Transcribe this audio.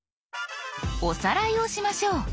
おさらいをしましょう。